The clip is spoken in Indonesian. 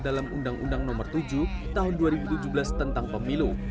dalam undang undang nomor tujuh tahun dua ribu tujuh belas tentang pemilu